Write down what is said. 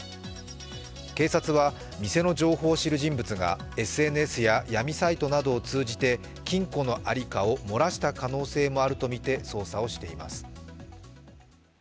警察は店の情報を知る人物がＳＮＳや闇サイトなどを通じて金庫のありかを漏らした可能性もあると見て調べています。